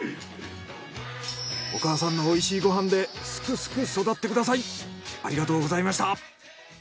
お母さんのおいしいご飯ですくすく育ってください。